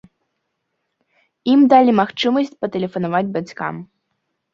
Ім далі магчымасць патэлефанаваць бацькам.